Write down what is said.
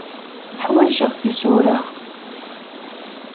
Ḥwajeɣ tisura.